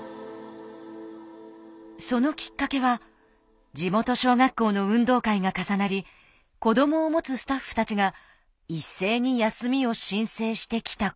そのきっかけは地元小学校の運動会が重なり子どもを持つスタッフたちが一斉に休みを申請してきたこと。